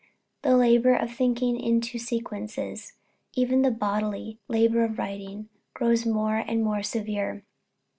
The labour of thinking into sequences, even the bodily labour of writing, grows more and more severe.